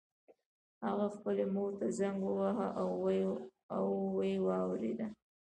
هغه خپلې مور ته زنګ وواهه او ويې واورېده.